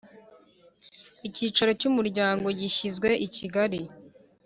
Icyicaro cy umuryango gishyizwe i KigaIi